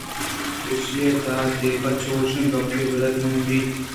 ایشی ءِ تہا دگہ چوشیں گپے پدّر نہ بیت